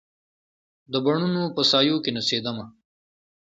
د بڼوڼو په سایو کې نڅېدمه